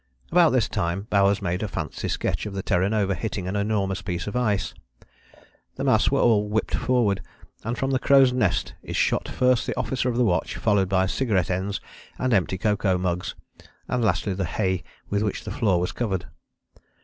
About this time Bowers made a fancy sketch of the Terra Nova hitting an enormous piece of ice. The masts are all whipped forward, and from the crow's nest is shot first the officer of the watch, followed by cigarette ends and empty cocoa mugs, and lastly the hay with which the floor was covered.